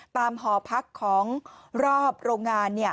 หอพักของรอบโรงงาน